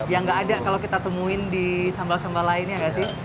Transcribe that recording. yang nggak ada kalau kita temuin di sambal sambal lain ya nggak sih